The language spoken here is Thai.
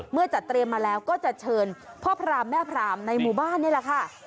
จัดเตรียมมาแล้วก็จะเชิญพ่อพรามแม่พรามในหมู่บ้านนี่แหละค่ะ